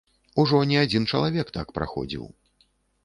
Ужо не адзін чалавек так праходзіў.